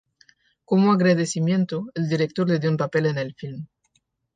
Como agradecimiento, el director le dio un papel en el film.